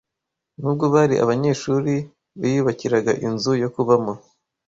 nubwo bari abanyeshuri biyubakiraga inzu yo kubamo